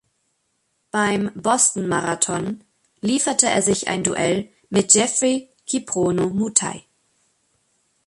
Beim Boston-Marathon lieferte er sich ein Duell mit Geoffrey Kiprono Mutai.